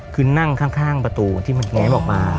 คือนั่งข้างประตูที่มันแง้มออกมา